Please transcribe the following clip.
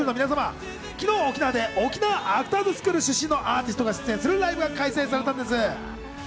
昨日、沖縄で沖縄アクターズスクール出身のアーティストが出演するライブが開催されたんです。